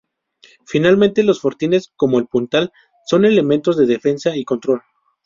Finalmente, los fortines como el Puntal, son elementos de defensa y control.